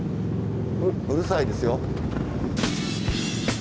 うるさいですよ？